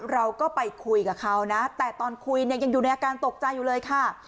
เราก็ไปคุยกับเขานะแต่ตอนคุยเนี่ยยังอยู่ในอาการตกใจอยู่เลยค่ะ